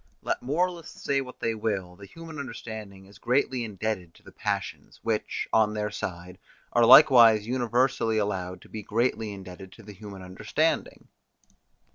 Let moralists say what they will, the human understanding is greatly indebted to the passions, which, on their side, are likewise universally allowed to be greatly indebted to the human understanding.